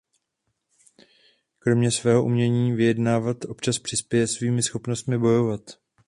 Kromě svého umění vyjednávat občas přispěje svými schopnostmi bojovat.